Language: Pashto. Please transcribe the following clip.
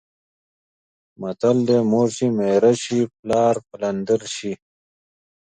متل دی: مور چې میره شي پلار پلندر شي.